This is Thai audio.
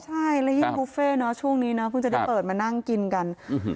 ใช่แล้วยิ่งบุฟเฟ่เนอะช่วงนี้เนาะเพิ่งจะได้เปิดมานั่งกินกัน